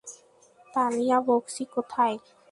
তানিয়া বক্সী কোথায়?